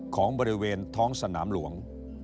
ของบริเวณท้องสนามหลวง